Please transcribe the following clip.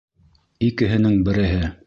Икеһенең береһе.